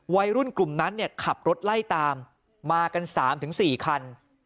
วัยรุ่นกลุ่มนั้นเนี่ยขับรถไล่ตามมากัน๓๔คัน